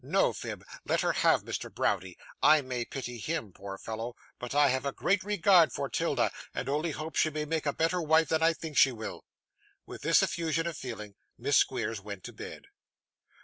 No, Phib. Let her have Mr. Browdie. I may pity HIM, poor fellow; but I have a great regard for 'Tilda, and only hope she may make a better wife than I think she will.' With this effusion of feeling, Miss Squeers went to bed.